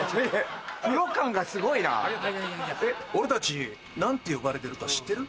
俺たち何て呼ばれてるか知ってる？